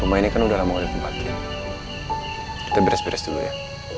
rumah ini kan udah lama udah dibatuin kita beres beres dulu ya